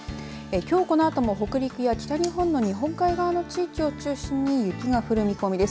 きょう、このあとも北陸や北日本の日本海側の地域を中心に雪が降る見込みです。